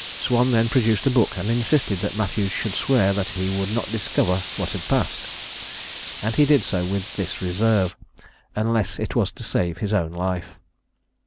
Swan then produced a book, and insisted that Matthews should swear that he would not discover what had passed: and he did so, with this reserve, "unless it was to save his own life."